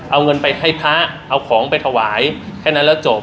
เอาเงินไปให้พระเอาของไปถวายแค่นั้นแล้วจบ